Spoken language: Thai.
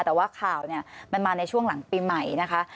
แต่ว่าข่าวเนี่ยมันมาในช่วงหลังปีใหม่นะคะ